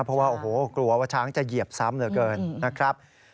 เพราะว่าโอ้โหกลัวว่าช้างจะเหยียบซ้ำเหลือเกินนะครับ